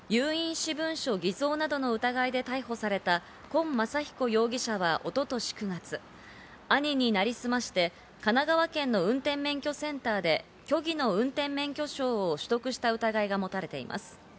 有印紙文書偽造などの疑いで逮捕された今真彦容疑者は一昨年９月、兄に成り済まして、神奈川県の運転免許センターで虚偽の運転免許証を取得した疑いが持たれています。